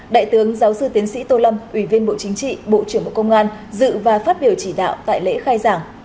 đại tướng giáo sư tiến sĩ tô lâm ủy viên bộ chính trị bộ trưởng bộ công an dự và phát biểu chỉ đạo tại lễ khai giảng